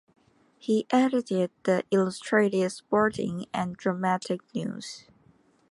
He edited the "Illustrated Sporting and Dramatic News".